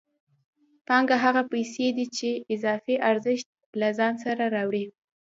پانګه هغه پیسې دي چې اضافي ارزښت له ځان سره راوړي